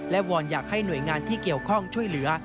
วอนอยากให้หน่วยงานที่เกี่ยวข้องช่วยเหลือ